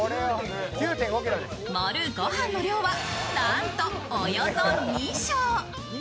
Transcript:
のるご飯の量は、なんとおよそ２升。